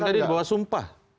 bukan tadi bahwa sumpah